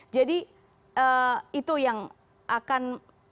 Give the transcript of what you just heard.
jadi itu yang akan